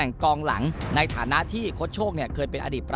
พูดคุยอย่างนั้นนะครับ